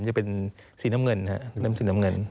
มันจะเป็นสีน้ำเงินครับสีน้ำเงิน